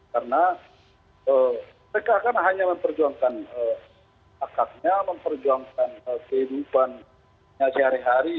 karena mereka akan hanya memperjuangkan hak haknya memperjuangkan kehidupannya sehari hari